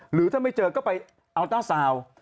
หรือถ้าไม่เจอก็ไปอัลต้าซาวน์